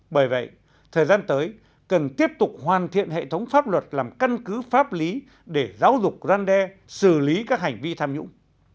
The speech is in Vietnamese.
bởi vậy thời gian tới cần tiếp tục hoàn thiện hệ thống pháp luật làm căn cứ pháp lý để giáo dục răn đe xử lý các hành vi tham nhũng